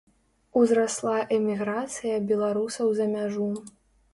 Узрасла эміграцыя беларусаў за мяжу.